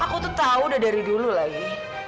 aku tuh tahu udah dari dulu lagi